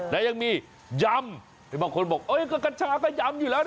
และยังมียำบางคนบอกก็กัญชาก็ยำอยู่แล้วนะ